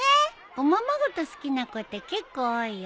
おままごと好きな子って結構多いよ。